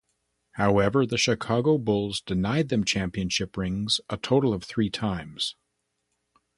However, the Chicago Bulls denied them championship rings a total of three times.